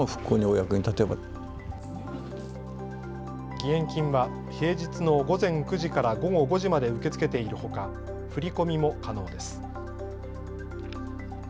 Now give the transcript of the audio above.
義援金は平日の午前９時から午後５時まで受け付けているほか振り込みも可能です。